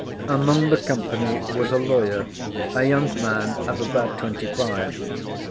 Among the company was a lawyer, a young man of about twenty five.